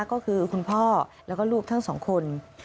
ก็คือคุณพ่อแล้วก็ลูกทั้งสองคน